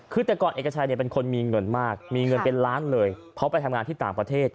คือแต่ก่อนเอกชัยเป็นคนมีเงินมากมีเงินเป็นล้านเลยเพราะไปทำงานที่ต่างประเทศ